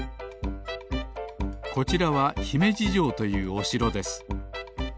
こちらはひめじじょうというおしろです。